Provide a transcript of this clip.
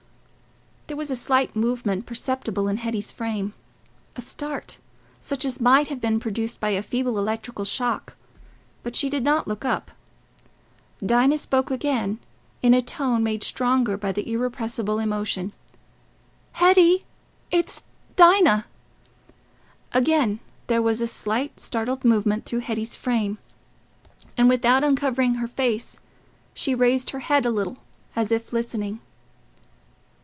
There was a slight movement perceptible in Hetty's frame—a start such as might have been produced by a feeble electrical shock—but she did not look up. Dinah spoke again, in a tone made stronger by irrepressible emotion, "Hetty... it's Dinah." Again there was a slight startled movement through Hetty's frame, and without uncovering her face, she raised her head a little, as if listening.